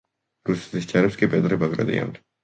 რუსეთის ჯარებს კი პეტრე ბაგრატიონი.